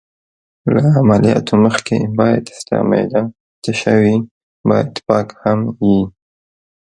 له عملیاتو مخکې باید ستا معده تشه وي، باید پاک هم یې.